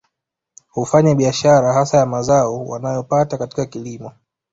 Hufanya biashara hasa ya mazao wanayo pata katika kilimo